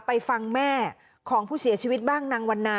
กอดล่ะแม่นูลาก่อน